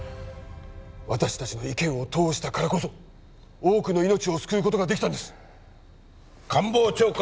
私達の意見を通したからこそ多くの命を救うことができたんです官房長官